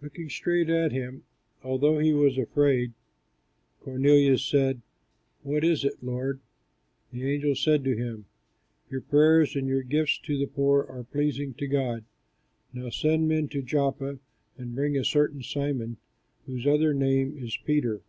Looking straight at him, although he was afraid, Cornelius said, "What is it, Lord?" The angel said to him, "Your prayers and your gifts to the poor are pleasing to God. Now send men to Joppa, and bring a certain Simon, whose other name is Peter.